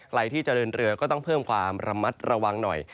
ใครที่จะเดินเรือก็ต้องเพิ่มความระมัดระวังหน่อย